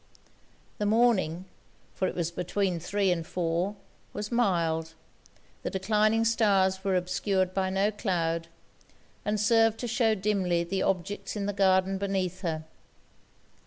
The morning, for it was between three and four, was mild; the declining stars were obscured by no cloud, and served to shew dimly the objects in the garden beneath her.